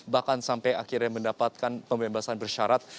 bahkan sampai akhirnya mendapatkan pembebasan bersyarat